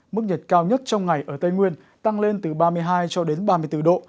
mức nhiệt cao nhất trong ngày ở tây nguyên tăng lên từ ba mươi hai cho đến ba mươi bốn độ